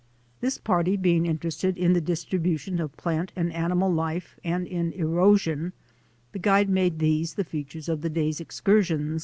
This party being interested in the distribution of plant and animal life, and in erosion, the guide made these the features of the day's excursion.